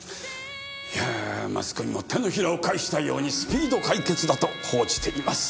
いやマスコミも手のひらを返したようにスピード解決だと報じています。